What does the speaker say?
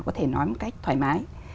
có thể nói một cách thoải mái